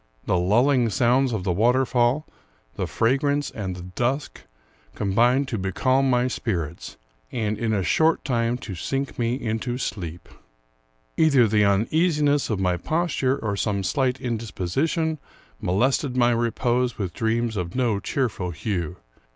The lulling sounds of the water fall, the fragrance, and the dusk, combined to becalm my spirits, and, in a short time, to sink me into sleep. Either the uneasiness of my posture, or some slight indisposition, molested my repose with dreams of no cheerful hue.